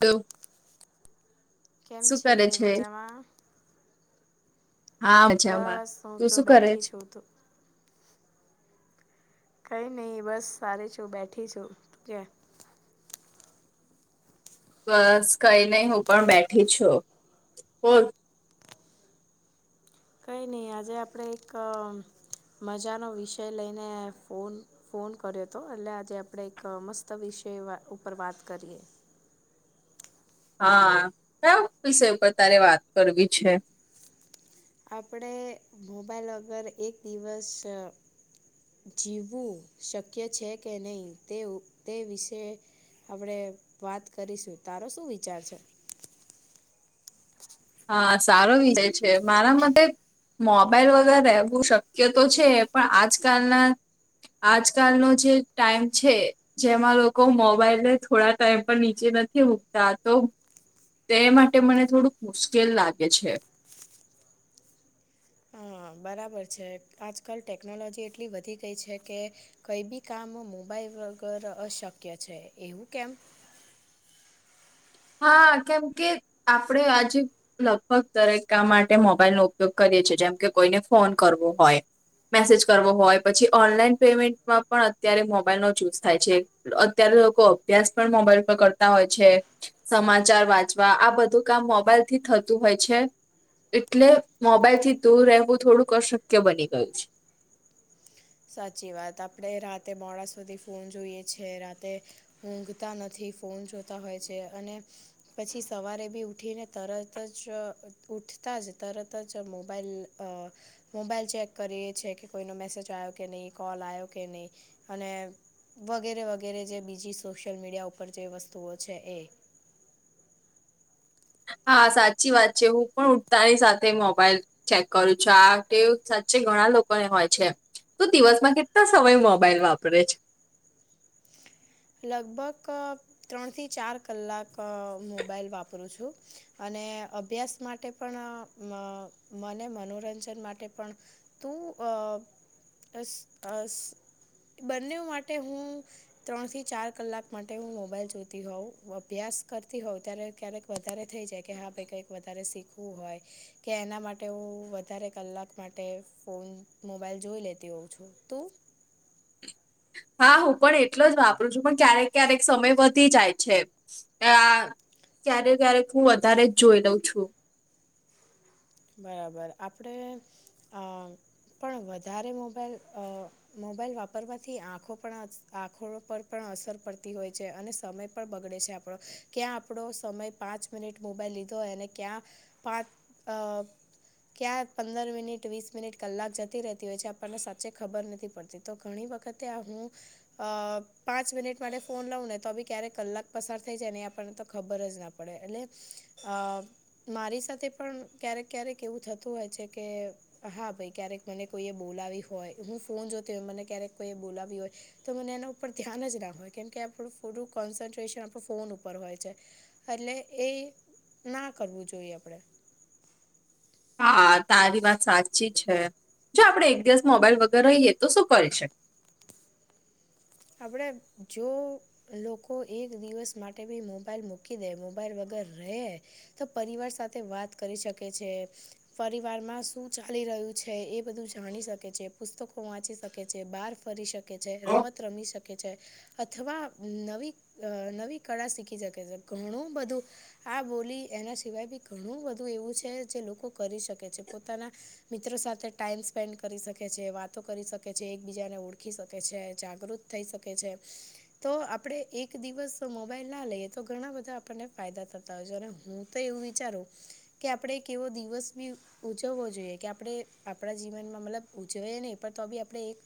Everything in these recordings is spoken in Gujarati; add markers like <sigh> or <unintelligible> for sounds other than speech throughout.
તો કેમ શું છે કરે મજામાં. હા મજામાં બસ હું તું જો શું કરે બેઠી છે. છું તું કઈ નઈિ બસ સારી છું બેઠી છું કે. બસ કઈ નહી હું પણ બેઠી છું. કઈ નહી આજે આપણે એક મજાનો વિષય લઈને ફોન. ફોન કર્યો હતો એટલે આજે આપડે એક મસ્ત વિષય ઉપર વાત કરીએ. હા ક વિષય ઉપર તારે વાત કરવી છે. આપણે મોબાઈલ વગર એક દિવસ. જીવવું શક્ય કે તે તે વિશે. આપણે વાત કરીશું તારો શું વિચાર છે. હા સારો વિષય છે મારા માટે. મોબાઈલ વગર રહેવું શક્ય તો છે પણ આજકાલના. આજકાલનોો જે ટાઈમ છે. જેમાં લોકો મોબાઈલને થોડા ટાઈમ પર નીચે નથી મૂકતા તો. તે માટે મને થોડુંક મુશ્કેલ લાગે છે. બરાબર છે આજકાલ ટેકનોલોજી એટલી વધી ગઈ છે કે. કઈ બી કામ મોબાઈલ વગર અશક્ય છે એવું કેમ. હા કેમ કે આપડે આજે. લગભગ દરેક કામ માટે મોબાઈલનોો ઉપયોગ કરીએ છીએ જેમ કે કોઈને ફોન કરવો હોય. મેસેજ કરવો હોય પછી ઓનલાઈન પેમેન્ટમાં પણ અત્યારે મોબાઈલ નો ચુઝ થાય છે. અત્યારે લોકો અભ્યાસ પણ મોબાઈલ પર કરતા હોય છે. સમાચાર વાંચવા આ બધું કામ મોબાઈલ થી થતું હોય છે. એટલે મોબાઈલ થી દૂર રહેવું થોડુંક અશક્ય બની ગયું છે. સાચી વાત આપણે રાતે મોડા સુધી ફોન જોઈએ છે રાતે. ઊંઘતા નથી ફોન જોતા હોય છે અને. પછી સવારે બી ઉઠીને તરત જ ઉઠતા જ તરત જ મોબાઈલ. અ ચેક કરીએ કે કોઈનો મેસેજ આવ. કે નહીં કૉલ આવયો કે નહીં અને. વગેરે વગેરે જે બીજી સોશિયલ મીડિયા ઉપર જે વસ્તુઓ છે એ. હા સાચી વાત છે પણ ઉઠતાની સાથે. ચેક કરું છું આ કેવ સાચે ઘણા લોકોને હોય છે. તો દિવસમાં કેટલા સમય મોબાઈલ વાપરે છે. લગભગ ત્રણથી ચાર કલાક મોબાઈલ વાપરું છું. અને અભ્યાસ માટે પણ મને મનોરંજન માટે પણ. તો અ અસ અસ બંને માટે હું ત્રણથી. ચાર કલાક માટે હું મોબાઈલ જોતી હોઉં હું અભ્યાસ કરતી હોઉં ત્યારે ક્યારેક વધારે થઈ જાય કે હા ભાઈ કંઈક. વધારે શીખવું હોય કે એના માટે હું વધારે કલાક માટે. ફોન મોબાઈલ જોઈ લેતી હોઉં છું તું. હા હું પણ એટલો જ વાપરું છું પણ ક્યારેક ક્યારેક સમય વધી જાય છે. આ ક્યારે ક્યારેક હું વધારે જ જોઈ લઉં છું બરાબર આપણે અ પણ વધારે મોબાઈલ અ મોબાઈલ વાપરવાથી આંખો પણ આંખો પર પણ અસર પડતી હોય છે અને સમય પણ બગડે છે આપ ક્યાં આપણો સમય પાંચ મિનિટ મોબાઈલ લીધો હોય અને ક્યાં પાંચ અ ક્યાં પંદર મિનિટ વીસ મિનિટ કલાક જતી રહેતી હોય છે આપણને સાચી ખબર નથી પડતી તો ઘણી વખતે હું અ પાંચ મિનિટ માટે ફોન લઉં ને તો બી ક્યારેક કલાક પસાર થઈ જાય ને એ આપણને તો ખબર જ પડે પડે એટલે અ મારી સાથે પણ ક્યારેક ક્યારેક એવું થતું હોય છે કે હા ભાઈ ક્યારેક મને કોઈએ બોલાવી હોય હું ફોન જોતી હોય મને ક્યારેક કોઈ બોલાવી હોય તો મને એના ઉપર ધ્યાન જ ના હોય કેમ કે આપણું થોડું કોન્સન્ટ્રેશન આપણું ફોન ઉપર હોય છે એટલે એ ના કરવું જોઈએ આપડે હા તારી વાત સાચી છે જો આપડે એક દિવસ મોબાઈલ વગર રહીએ તો શું કરી શ આપણે જો લોકો એક દિવસ માટે ભી મોબાઈલ મૂકી દે મોબાઈલ વગર રહે તો પરિવાર સાથે વાત કરી શકે છે પરિવારમાં શું ચાલી રહ્યું છે એ બધું જાણી શકે છે પુસ્તકો વાંચી શક કે છે બહાર ફરી શકે છે રમત રમી શકે છે અથવા નવી નવી કળા શીખી શકે છે ઘણું બધું આ બોલી એના સિવાય બી ઘણું બધું એવું છે જે લોકો કરી શકે છે પોતાના મિત્રો સાથે ટાઈમ સ્પેન્ડ કરી શકે છે, વાતો કરી શકે છે એકબીજાને ઓળખી શકે છે. જાગૃત થઈ શકે છે. તો આપડે એક દિવસ મોબાઈલ ના લઈએ તો ઘણા બધા આપણને ફાયદા થતા અને હું તો એવું વિચારું કે આપડ કેવો દિવસ બી ઉજવવો જોઈએ કે આપણે આપણા જીવનમાં મતલબ ઉજવીએ નહી પણ તો બી આપણે એક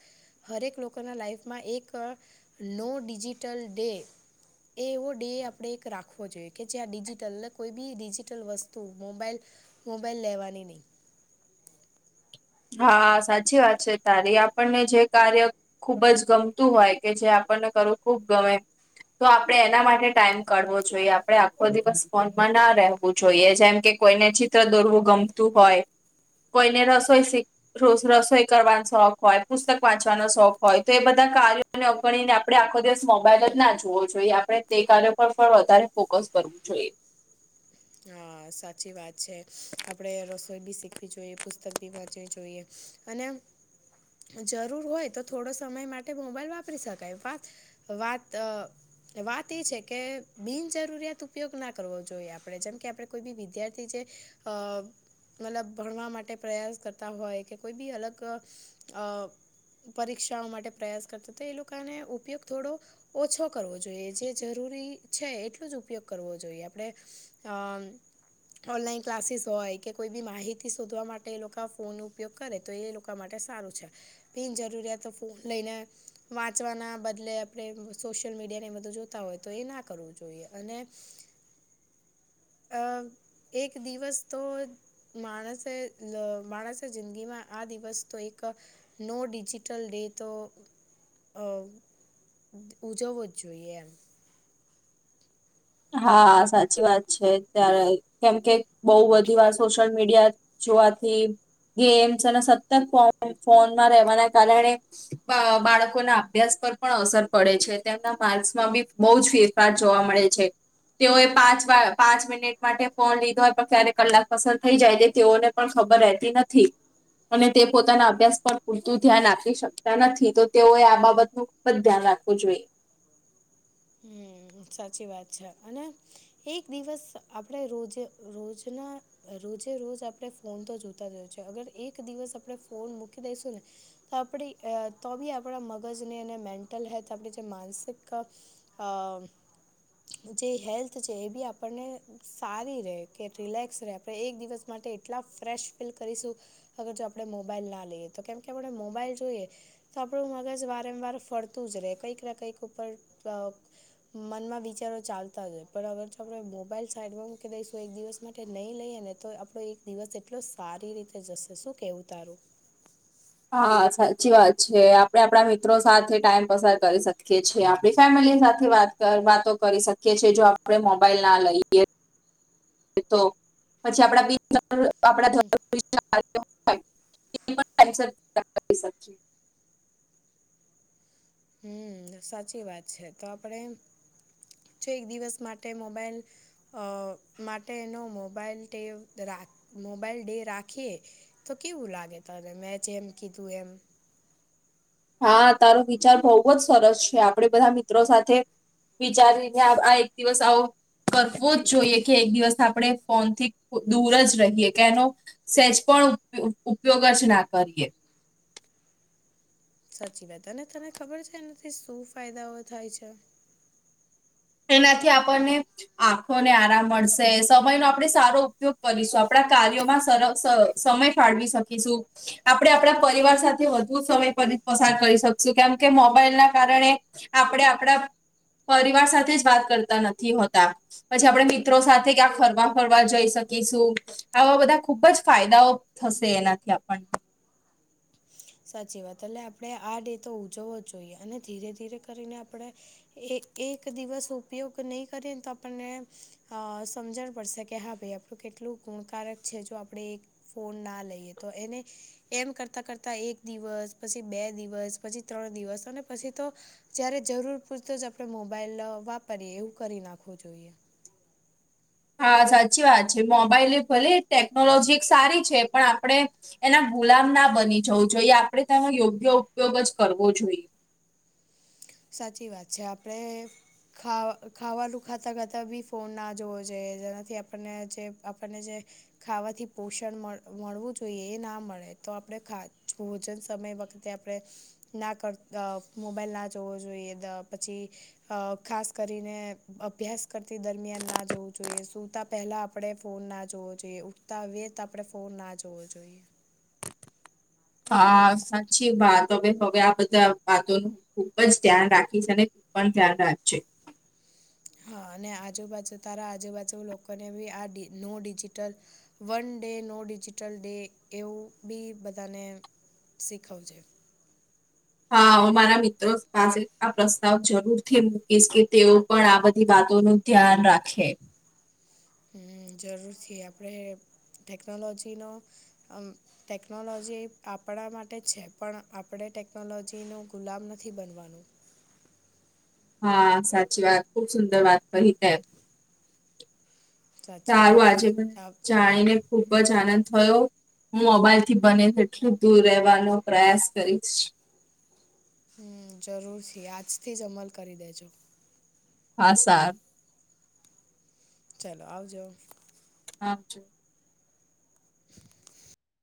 હરેક લોકોના લાઈફમાં એક નો ડિજિટલ ડે એ એવો ડે આપણે એક રાખવો જોઈએ કે જ્યાં ડિજિટલ ને કોઈ બી ડિજિટલ વસ્તુ મોબાઈલ મોબાઈલ લેવાની નહીં હા સાચી વાત છે તારી આપણને જે કાર્ય ખૂબ જ ગમતું હોય કે જે આપણને કરવું ખૂબ ગમે તો આપણે એના માટે ટાઈમ કાઢવો જોઈએ આપણે આખો દિવસ ફોનમાં ના રહેવું જોઈએ જેમ કે કોઈને ચિત્ર દોરવું ગમતું હોય કોઈને રસોઈ શીખ રોજ રસોઈ કરવાનો શોખ હોય, પુસ્તક વાંચવાનો શોખ હોય, તો એ બધા કાર્યો અને અગણીને આપણે આખો દિવસ મોબાઈલ જ ના જોવો જોઈએ આપણે તે કાર્યો પર પણ વધારે ફોકસ કર <unintelligible> હા, સાચી વાત છે આપણે રસોઈ બી શીખવી જોઈએ, પુસ્તક બી વાંચવી જોઈએ. અને જરૂર હોય થોડો સમય માટે મોબાઈલ વાપરી શકાય વાત વાત અ વાત એ છે કે બિન જરૂરીયાત ઉપયોગ ના કરવો જોઈએ આપણે જેમ કે આપડે કોઈ બી વિદ્યાર્થી જે અ મતલબ ભણવા માટે પ્રયાસ કરતા હોય કે કોઈ બી અલગ અ પરીક્ષાઓ માટે પ્રયાસ કરતા હતા એ લોકોનો ઉપયોગ થોડો ઓછો કરવો જોઈએ જે જરૂરી છે એટલું જ ઉપયોગ કરવો જોઈએ આપણેે અ ઓનલાઈન ક્લાસીસ હોય કે કોઈ બી માહિતી શોધવા માટે એ લોકા ફોન નો ઉપયોગ કરે તો એ લોકો વા માટે સારું છે બિન જરૂરિયાતો ફોન લઈને વાંચવાના બદલે આપણે સોશિયલ મીડિયા ને બધું જો તા હોય તો એ ના કરવું જોઈએ અને અ એક દિવસ તો. માણસે <unintelligible> માણસે જિંદગીમાં આ દિવસ તો એક નો ડિજિટલ ડે તો અ ઉજવો જ જોઈએ એમ. હા સાચી વાત છે, ત્યારે કેમ કે બહુ બધી વાર સોશિયલ મીડિયા જોવાથી ગેમ્સ અને સતત ફો ફોનમાં રહેવાના કારણે બાળકો ના અભ્યાસ પર પણ અસર પડે છે, તેમના માર્ક્સમાં બી બહું જ ફેર આ જોવા મળે છે. તેઓએ પાંચ વાર પાંચ મિનિટ માટે ફોન લીધો હોય પણ ક્યારે કલાક પસાર થઈ જાય છે, તેઓને પણ ખબર રહેતી નથી. અને તે પોતાના અભ્યાસ પર પૂરતું ધ્યાન આપી શકતા નથી તો તેઓએ આ બાબતનું. પણ ધ્યાન રાખવું જોઈએ. હમ્મ સાચી વાત છે, અને એક દિવસ આપણે રોજે રોજના રોજે રોજ આપણે ફોન તો જોતા જ હોય છે, અગર એક દિવસ આપણે ફોન મૂકી દઈશું ને. તો આપણી તો બી આપણા મગજને અને મેન્ટલ હેલ્થ આપણી જે માનસિક અ જે હેલ્થ છે, એ બી આપણને સારી રહે કે રિલેક્સ રહે આપણે એક દિવસ માટે એટલા ફ્રેશ ફીલ કરીશું. અગર જો આપણે મોબાઈલ ના લઈએ તો કેમ કે આપણે મોબાઈલ જોઈએ. તો આપણું મગજ વારંવાર ફરતું જ રહે કંઈક ને કંઈક ઉપર અ મનમાં વિચારો ચાલતા જ હોય પણ અગર જો આપણે મોબાઈલ સાઈડમાં મૂકી દઈશું એક દિવસ માટે નહીં લઈએ ને તો કોઈ એક દિવસ એટલો સારી રીતે જશે શું કેવું તારું. હા સાચી વાત છે, આપડે આપડા મિત્રો સાથે ટાઈમ પસાર કરી શકીએ છીએ આપ જેઢાણીની સાથે વાત વાતો કરી શકીએ છીએ જો આપણે મોબાઈલ ના લઈએ. તો પછી આપડા મિત્ર આપડા <unintelligible> <inaudible> હમ્મ સાચી વાત છે, તો આપણેે જો એક દિવસ માટે મોબાઈલ અ માટે એનો મોબાઈલ ડે રા મોબાઈલ ડે રાખીએ. તો કેવું લાગે તને મેં જે એમ કીધું એમ. હા તારો વિચાર બહુ જ સરસ છે, આપડે બધા મિત્રો સાથે વિચારીને આ એક દિવસ આવો કરવો જ જોઈએ કે એક દિવસ આપણે ફોનથી દૂર જ રહીએ કે એનો સેજ પણ ઉપ-ઉપયોગ જ ના કરીએ. સાચી વાત અને તને ખબર છે, એનાથી શું ફાયદાઓ થાય છે? એનાથી આપણને આંખોને આરામ મળશે, સમયનો આપણે સારો ઉપયોગ કરીશું આપણા કાર્યોમાં સર સ-સમય ફાળવી શકીશુ આપણે આપણા પરિવાર સાથે વધુ સમય પર-પસાર કરી શકશું કેમ કે મોબાઈલ ના કારણે આપણે આપડા પરિવાર સાથે જ વાત કરતા નથી હોતા. પછી આપણે મિત્રો સાથે ક્યાં હરવા-ફરવા જઈ શકીશું. આવા બધા ખુબ જ ફાયદાઓ થશે એનાથી આપણને. સાચી વાત એટલે આપણે આ ડે ઉજવો જોઈએ અને ધીરે ધીરે કરીને આપડે એ એક દિવસ ઉપયોગ નહીં કરીએ ને તો આપણને અ સમજણ પડશે કે હા ભાઈ આપણું કેટલું ગુણકારક છે જો આપણે એક ફોન ના લઈએ તો એને એમ કરતાં કરતા એક દિવસ, પછી બે દિવસ, પછી ત્રણ દિવસ અને પછી તો જયારે જરૂર પૂરતો જ આપણે મોબાઈલ વાપરીએ એવું કરી નાખવું જોઈએ. હા, સાચી વાત છે, મોબાઈલ ભલે ટેકનોલોજી એક સારી છે પણ આપડે એના ગુલામ ના બની જવું જોઈએ આપણે તેનો યોગ્ય ઉપયોગ જ કરવો જોઈએ. સાચી વાત છે આપડે ખા-ખાવાનું ખાતા ખાતાં બી ફોન ના જોવો જોઈએ જેનાથી આપણને જે આપણને જે ખાવાથી પોષણ મળ-મળવું જોઈએ એ ના મળે, તો આપણે ખા-ભોજન સમય વ ખતે આપણે ના કર મોબાઈલ ના જોવો જોઈએ નેતો પછી અ ખાસ કરીને અભ્યાસ કરતી દરમિયાન ના જોવું જોઈએ, સુુંતા પેલા આપડે ફોન ના જોવો જોઈએ ઉઠતા આવીયે તો આપણે ફોન ના જોવો જોઈએ. હા, સાચી વાત હવે હવે આ બધા વાતોનું ખુબ જ ધ્યાન રાખીશ અને તું પણ ધ્યાન રાખજે. હ, અને આજુબાજુ તારા આજુબાજુ લોકોને બી આ deal no digital one day no digital day એવું બી બધાને શીખવજે. હા, હું મારા મિત્રો પાસે આ પ્રસ્તાવ જરૂરથી મૂકીશ કે તેઓ પણ આ બધી વાતોનું ધ્યાન રાખે. હમ, જરૂર થી આપડે ટેકનોલોજી નો <unintelligible> ટેકનોલોજી એ આપણા માટે જ છે પણ આપણે ટેકનોલોજીનો ગુલામ નથી બનવાનું. હા, સાચી વાત. ખૂબ સુંદર તે. <unintelligible> સાચી વાત આજે પણ આ- જાણીને ખૂબ જ આનંદ થયો. મોબાઈલ થી બને તેટલું દૂર રહેવાનો પ્રયાસ કરીશ. હમ, જરૂરથી. આજથી જ અમલ કરી દેજો. હા, સારું. ચાલો આવજો. હ, <inaudible>